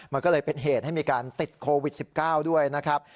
มันก็เลยเป็นเหตุให้มีการติดโควิด๑๙ด้วยนะครับ